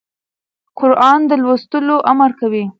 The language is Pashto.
قرآن د لوست امر کوي.